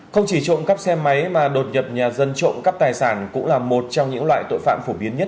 không chỉ trộm cắp xe máy mà đột nhập nhà dân trộm cắp tài sản cũng là một trong những loại tội phạm phổ biến nhất